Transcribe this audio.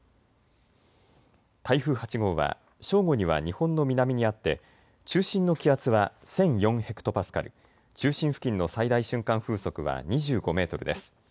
台風８号は正午には日本の南にあって中心の気圧は１００４ｈＰａ、中心付近の最大瞬間風速は２５メートルです。